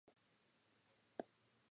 こんなバカでかいのひとりで運びたくない